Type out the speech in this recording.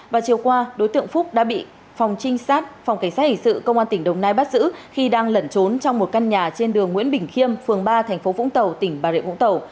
và chiều qua đối tượng phúc đã bị phòng trinh sát phòng cảnh sát hình sự công an tỉnh đồng nai bắt giữ khi đang lẩn trốn trong một căn nhà trên đường nguyễn bình khiêm phường ba thành phố vũng tàu tỉnh bà rịa vũng tàu